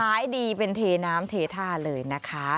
ขายดีเป็นเทน้ำเทท่าเลยนะคะ